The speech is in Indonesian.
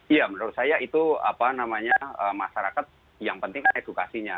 iya menurut saya itu apa namanya masyarakat yang penting kan edukasinya